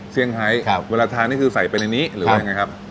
ไฮเวลาทานนี่คือใส่ไปในนี้หรือว่ายังไงครับ